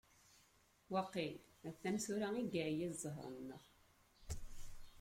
Waqil atan tura i yeεya ẓẓher-nneɣ.